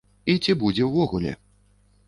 І ці будзе ўвогуле?